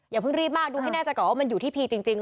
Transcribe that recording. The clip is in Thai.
อย่าเพิ่งรีบมากดูให้แน่ใจก่อนว่ามันอยู่ที่พีจริง